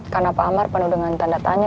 karena pak amar penuh dengan tanda tanya